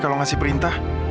kalau ngasih perintah